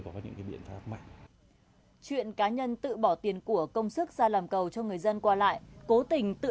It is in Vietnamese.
có những cái biện pháp mà chuyện cá nhân tự bỏ tiền của công sức ra làm cầu cho người dân qua lại cố tình tự